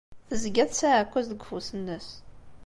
Tezga tesɛa aɛekkaz deg ufus-nnes.